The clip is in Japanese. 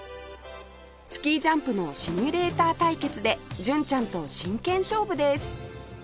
スキージャンプのシミュレーター対決で純ちゃんと真剣勝負です